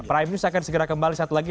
prime news akan segera kembali satu lagi